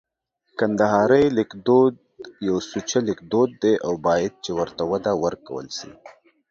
کندهارۍ لیکدود یو سوچه لیکدود دی او باید چي ورته وده ورکول سي